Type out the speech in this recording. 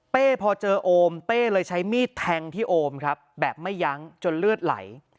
พอเจอโอมเป้เลยใช้มีดแทงที่โอมครับแบบไม่ยั้งจนเลือดไหล